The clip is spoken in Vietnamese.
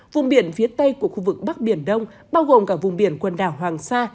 vùng biển phía tây của khu vực bắc biển đông bao gồm cả vùng biển quần đảo hoàng sa